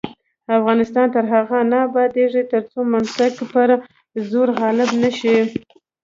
افغانستان تر هغو نه ابادیږي، ترڅو منطق پر زور غالب نشي.